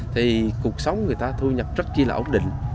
thì cuộc sống người ta thu nhập rất là ổn định